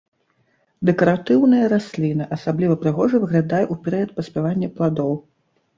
Дэкаратыўная расліна, асабліва прыгожа выглядае ў перыяд паспявання пладоў.